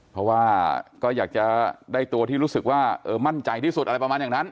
เพราะว่าก็อยากจะได้ตัวที่รู้สึกว่ามั่นใจที่สุดอะไรประมาณอย่างนั้น